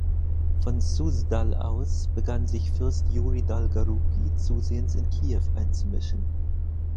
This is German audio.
Von Susdal aus begann sich Fürst Juri Dolgoruki zusehends in Kiew einzumischen.